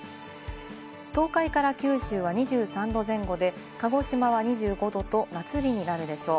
東海から九州は２３度前後で、鹿児島は２５度と、夏日になるでしょう。